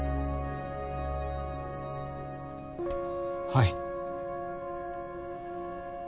はい。